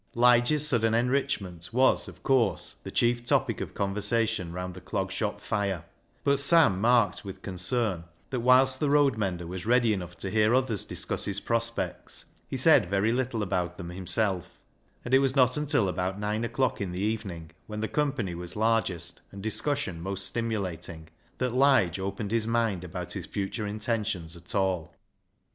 Lige's sudden enrichment was, of course, the chief topic of conversation round the Clog Shop fire, but Sam marked with concern that whilst 165 i66 BECKSIDE LIGHTS the road mender was ready enough to hear others discuss his prospects, he said very Httle about them himself, and it was not until about nine o'clock in the evening, when the company was largest and discussion most stimulating, that Lige opened his mind about his future intentions at all.